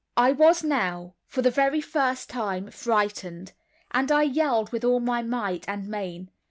I was now for the first time frightened, and I yelled with all my might and main.